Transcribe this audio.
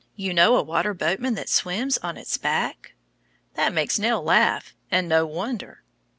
You know a water boatman that swims on its back? That makes Nell laugh, and no wonder.